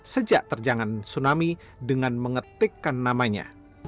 sejak terjangan tsunami dengan mengetikkan namanya